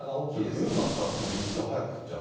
冬になったらもう雪が早く降っちゃう。